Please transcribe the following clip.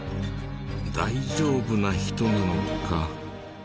大丈夫な人なのか？